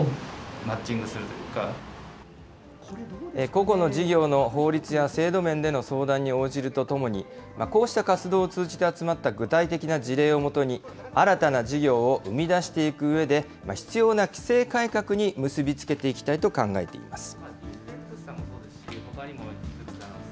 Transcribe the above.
個々の事業の法律や制度面での相談に応じるとともに、こうした活動を通じて集まった具体的な事例をもとに、新たな事業を生み出していくうえで、必要な規制改革に結び付けていきたいと考えています。